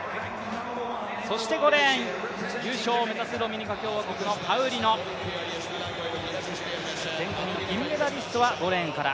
そして５レーン優勝を目指すドミニカ共和国のパウリノ前回の銀メダリストは５レーンから